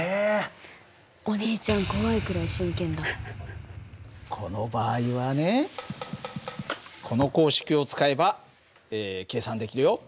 お兄ちゃんこの場合はねこの公式を使えば計算できるよ。